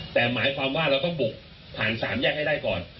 แต่หมายความว่าเราต้องบุกผ่านสามแยกให้ได้ก่อน